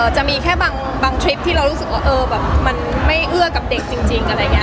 จะมีแค่บางทริปที่เรารู้สึกว่าเออมันไม่เอื้อกับเด็กจริง